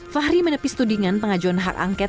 fahri menepis tudingan pengajuan hak angket